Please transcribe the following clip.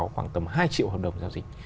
khoảng tầm hai triệu hợp đồng giao dịch